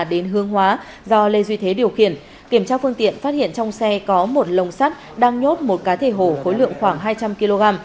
đến hương hóa do lê duy thế điều khiển kiểm tra phương tiện phát hiện trong xe có một lồng sắt đang nhốt một cá thể hổ khối lượng khoảng hai trăm linh kg